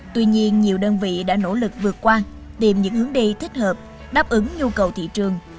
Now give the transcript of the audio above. tuy nhiên nhiều đơn vị đã nỗ lực vượt qua tìm những hướng đi thích hợp đáp ứng nhu cầu thị trường